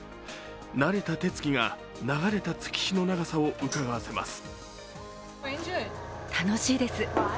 慣れた手つきが流れた月日の長さをうかがわせます。